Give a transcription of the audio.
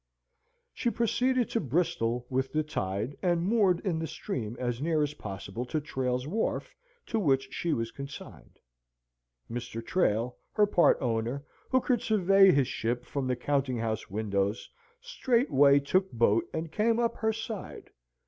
She proceeded to Bristol with the tide, and moored in the stream as near as possible to Trail's wharf, to which she was consigned. Mr. Trail, her part owner, who could survey his ship from his counting house windows, straightway took boat and came up her side.